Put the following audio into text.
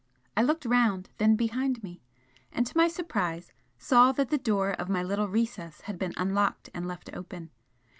I looked round, then behind me, and to my surprise saw that the door of my little recess had been unlocked and left open.